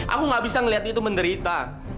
aku gak bisa ngeliat dia itu menderita